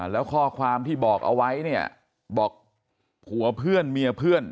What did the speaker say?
แล้วข้อความที่บอกเอาไว้เนี่ยบอกผัวเพื่อนเมียเพื่อน